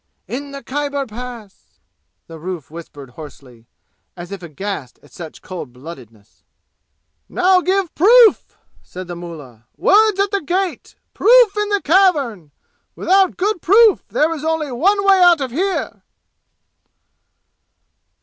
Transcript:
"In the Khyber Pass!" the roof whispered hoarsely, as if aghast at such cold bloodedness. "Now give proof!" said the mullah. "Words at the gate proof in the cavern! Without good proof, there is only one way out of here!"